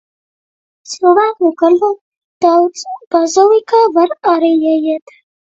Cilvēku nekur nav daudz. Bazilikā var arī ieiet.